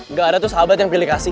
nggak ada tuh sahabat yang pilih kasih